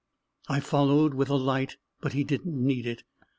I followed with a light; but he didn't need it.